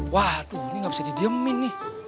waduh ini gak bisa didiemin nih